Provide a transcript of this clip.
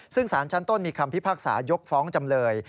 ซึ่งสารชั้นต้นมีคำพิพากษายกฟ้องจำเลย